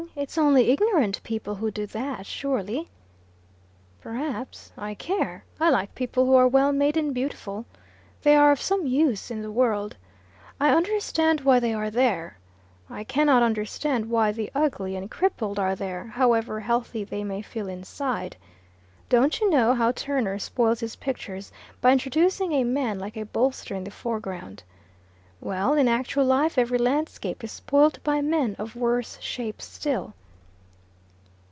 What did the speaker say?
It's only ignorant people who do that, surely." "Perhaps. I care. I like people who are well made and beautiful. They are of some use in the world. I understand why they are there. I cannot understand why the ugly and crippled are there, however healthy they may feel inside. Don't you know how Turner spoils his pictures by introducing a man like a bolster in the foreground? Well, in actual life every landscape is spoilt by men of worse shapes still."